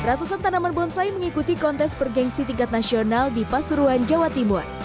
ratusan tanaman bonsai mengikuti kontes bergensi tingkat nasional di pasuruan jawa timur